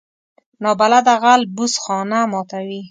نابلده غل بوس خانه ماتوي